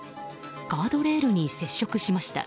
ガードレールに接触しました。